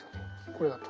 これだと。